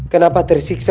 kenapa tersiksa sekali ya